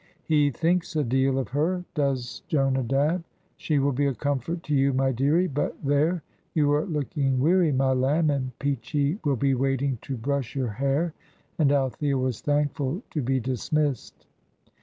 He thinks a deal of her, does Jonadab. She will be a comfort to you, my dearie. But there, you are looking weary, my lamb, and Peachey will be waiting to brush your hair." And Althea was thankful to be dismissed.